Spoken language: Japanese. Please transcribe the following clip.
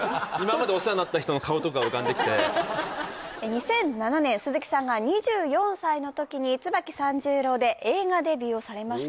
２００７年鈴木さんが２４歳の時に「椿三十郎」で映画デビューをされました